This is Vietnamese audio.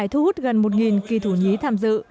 hút gần một kỳ thủ nhí tham dự